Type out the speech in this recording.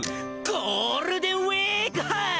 ゴールデンウイーク杯！